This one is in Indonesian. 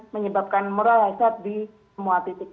menyebabkan moral hasrat di semua titik